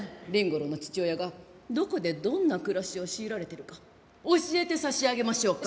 凛吾郎の父親がどこでどんな暮らしを強いられてるか教えて差し上げましょうか？